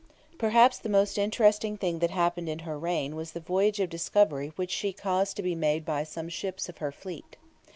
Perhaps the most interesting thing that happened in her reign was the voyage of discovery which she caused to be made by some ships of her fleet.